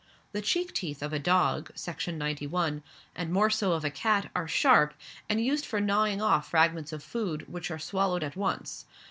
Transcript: The cheek teeth of a dog ({Section 91}), and more so of a cat, are sharp, and used for gnawing off fragments of food, which are swallowed at once.